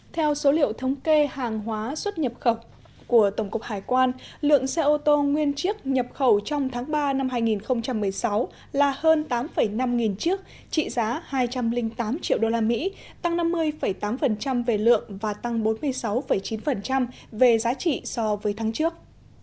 theo số liệu thống kê hàng hóa xuất nhập khẩu của tổng cục hải quan lượng xe ô tô nguyên chiếc nhập khẩu trong tháng ba năm hai nghìn một mươi sáu là hơn tám năm nghìn chiếc trị giá hai trăm linh tám triệu usd tăng năm mươi tám về lượng và tăng bốn mươi sáu chín về giá trị so với tháng trước